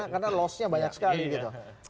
karena loss nya banyak sekali